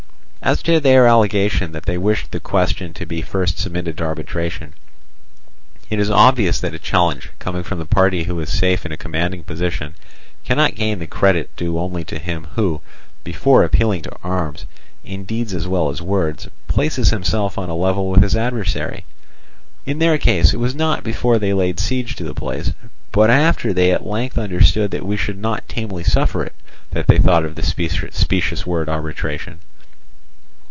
"As to their allegation that they wished the question to be first submitted to arbitration, it is obvious that a challenge coming from the party who is safe in a commanding position cannot gain the credit due only to him who, before appealing to arms, in deeds as well as words, places himself on a level with his adversary. In their case, it was not before they laid siege to the place, but after they at length understood that we should not tamely suffer it, that they thought of the specious word arbitration.